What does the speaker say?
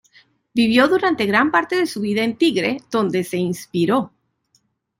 Vivió durante gran parte de su vida en Tigre, donde se inspiró.